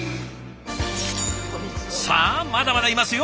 さあまだまだいますよ